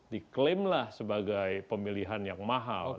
diklaimlah sebagai pemilihan yang mahal